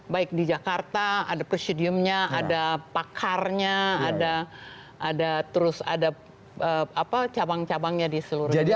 baik di jakarta ada presidiumnya ada pakarnya ada terus ada cabang cabangnya di seluruh indonesia